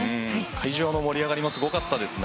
会場の盛り上がりもすごかったですね。